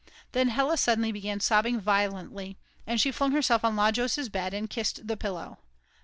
Then Hella suddenly began sobbing violently, and she flung herself on Lajos' bed and kissed the pillow.